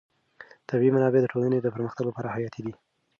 طبیعي منابع د ټولنې د پرمختګ لپاره حیاتي دي.